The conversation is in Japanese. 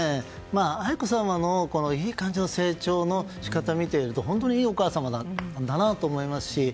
愛子さまのいい感情の成長を見ていると本当に、いいお母様なんだなと感じますし。